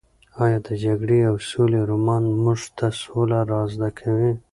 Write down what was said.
ایا د جګړې او سولې رومان موږ ته سوله را زده کوي؟